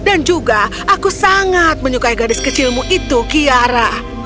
dan juga aku sangat menyukai gadis kecilmu kiara